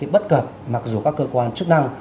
bất cập mặc dù các cơ quan chức năng